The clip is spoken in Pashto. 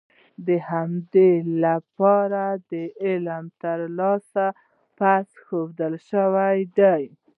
د همدې لپاره د علم ترلاسی فرض ښودل شوی دی.